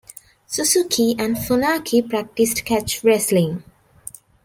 Suzuki and Funaki practised catch wrestling.